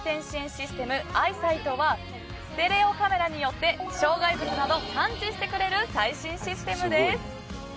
システムアイサイトはステレオカメラによって障害物など感知してくれる最新システムです。